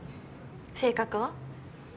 性格は？